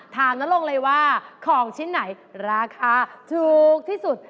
นรงเลยว่าของชิ้นไหนราคาถูกที่สุด